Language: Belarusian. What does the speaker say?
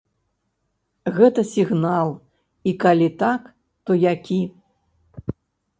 Гэта сігнал і калі так, то які?